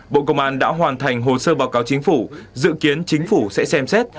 bộ công an đã hoàn thành hồ sơ báo cáo chính phủ dự kiến chính phủ sẽ xem xét